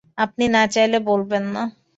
আপনি না চাইলে বলবেন না।